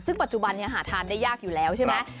ซึ่งปัจจุบันนี้หาทานได้ยากอยู่แล้วใช่ไหม